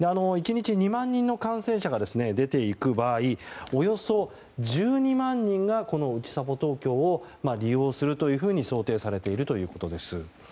１日２万人の感染者が出ていく場合およそ１２万人がうちさぽ東京を利用すると想定されているということです。